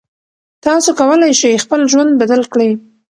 تاسو کولی شئ خپل ژوند بدل کړئ.